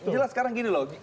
jelas sekarang gini loh